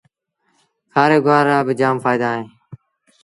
کآري گُوآر رآ با جآم ڦآئيٚدآ اوهيݩ۔